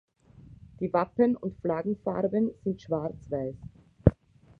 Die Wappen- und Flaggenfarben sind Schwarz-Weiß.